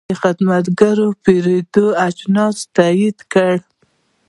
دا خدمتګر د پیرود اجناس تایید کړل.